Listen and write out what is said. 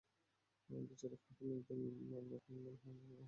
বিচারিক হাকিম মঈনুদ্দিন নোমান মামলাটি গ্রহণ করে আদেশের জন্য অপেক্ষমাণ রেখেছেন।